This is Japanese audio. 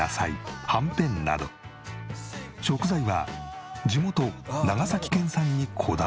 食材は地元長崎県産にこだわり。